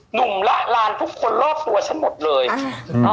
หนุ่มละลานทุกคนรอบตัวฉันหมดเลย